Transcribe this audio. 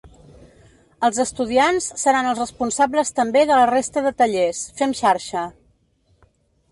Els estudiants seran els responsables també de la resta de tallers: Fem xarxa.